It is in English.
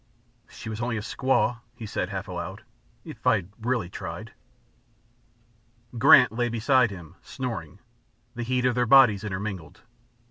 "She was only a squaw," he said, half aloud. "If I'd really tried " Grant lay beside him, snoring, the heat of their bodies intermingled.